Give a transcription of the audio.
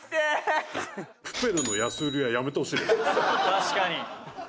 確かに。